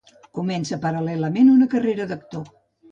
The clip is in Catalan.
Comença paral·lelament una carrera d'actor.